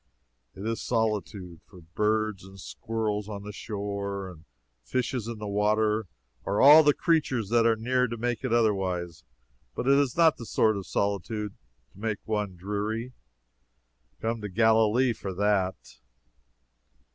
It is solitude, for birds and squirrels on the shore and fishes in the water are all the creatures that are near to make it otherwise, but it is not the sort of solitude to make one dreary. Come to Galilee for that.